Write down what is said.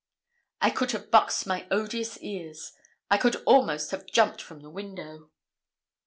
I could have boxed my odious ears. I could almost have jumped from the window.